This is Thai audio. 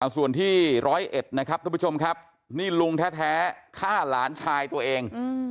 ส่วนที่ร้อยเอ็ดนะครับทุกผู้ชมครับนี่ลุงแท้ฆ่าหลานชายตัวเอง